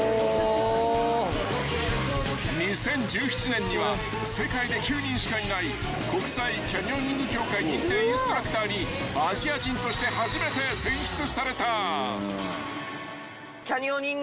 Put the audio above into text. ［２０１７年には世界で９人しかいない国際キャニオニング協会認定インストラクターにアジア人として初めて選出された］